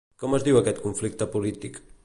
Com es diu aquest conflicte polític?